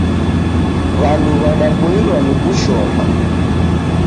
Wandu wadapoilwa ni kushoma.